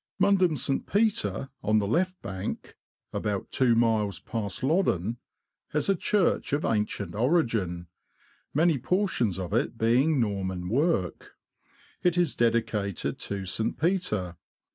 Mundham St. Peter, on the left bank, about two miles past Loddon, has a church of ancient origin, many portions of it being Norman work ; it is dedicated to St. Peter.